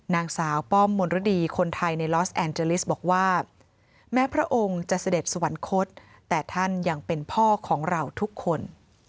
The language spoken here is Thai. นางสาวป้อมมนรดีคนไทยในลอสแอนเจลิสบอกว่าแม้พระองค์จะเสด็จสวรรคตแต่ท่านยังเป็นพ่อของเราทุกคน